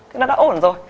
thì nó đã ổn rồi